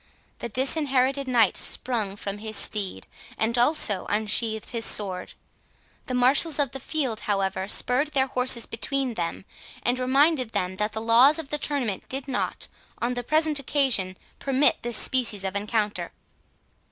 The Disinherited Knight sprung from his steed, and also unsheathed his sword. The marshals of the field, however, spurred their horses between them, and reminded them, that the laws of the tournament did not, on the present occasion, permit this species of encounter.